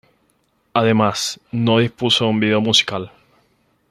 Además, no dispuso de un vídeo musical.